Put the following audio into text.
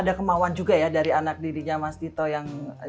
ada kemauan juga ya dari anak dirinya mas dito yang